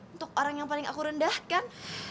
untuk orang yang paling aku rendahkan